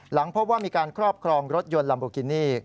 หลังพบว่ามีการครอบครองรถยนต์ลัมโบกินี่